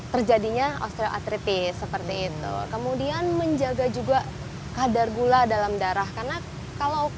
terjadinya osteoartritis seperti itu kemudian menjaga juga kadar gula dalam darah karena kalau